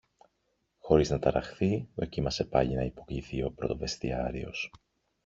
Χωρίς να ταραχθεί, δοκίμασε πάλι να υποκλιθεί ο πρωτοβεστιάριος.